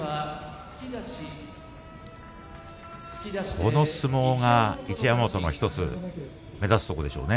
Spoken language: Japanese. この相撲が、一山本の１つ目指すところでしょうね。